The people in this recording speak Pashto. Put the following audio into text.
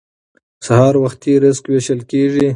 سهار وختي رزق ویشل کیږي.